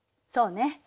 そうね。